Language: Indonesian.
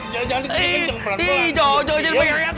jangan teriak teriak pelan pelan